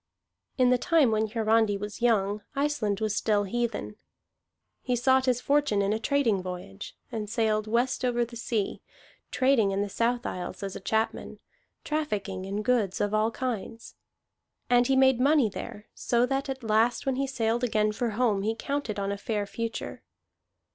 In the time when Hiarandi was young, Iceland was still heathen. He sought his fortune in a trading voyage, and sailed West over the Sea, trading in the South Isles as a chapman, trafficking in goods of all kinds. And he made money there, so that at last when he sailed again for home he counted on a fair future.